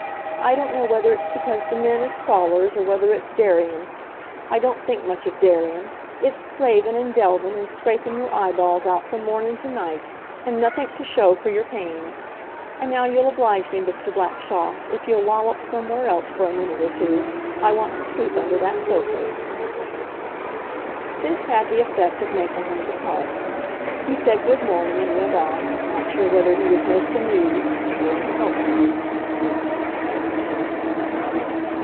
I don't know whether it's because the men is crawlers or whether it's dairyin'. I don't think much of dairyin'. It's slavin', an' delvin', an' scrapin' yer eyeballs out from mornin' to night, and nothink to show for your pains; and now you'll oblige me, Mr Blackshaw, if youll lollop somewhere else for a minute or two. I want to sweep under that sofer." This had the effect of making him depart. He said good morning and went off, not sure whether he was most amused or insulted.